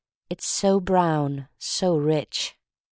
It's so brown— so rich!